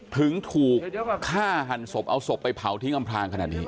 ถึงถูกฆ่าหันศพเอาศพไปเผาทิ้งอำพลางขนาดนี้